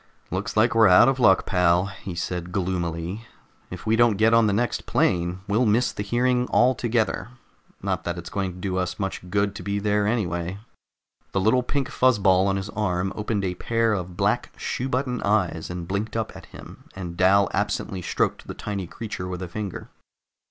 "Looks like we're out of luck, pal," he said gloomily. "If we don't get on the next plane, we'll miss the hearing altogether. Not that it's going to do us much good to be there anyway." The little pink fuzz ball on his arm opened a pair of black shoe button eyes and blinked up at him, and Dal absently stroked the tiny creature with a finger.